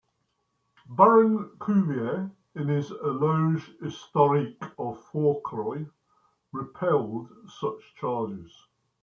Baron Cuvier, in his "Eloge historique" of Fourcroy, repelled such charges.